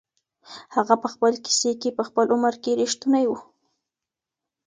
هغه په خپل کیسې کي په خپل عمر کي رښتونی و.